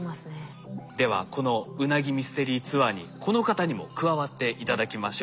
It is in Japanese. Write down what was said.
ではこのウナギミステリーツアーにこの方にも加わって頂きましょう。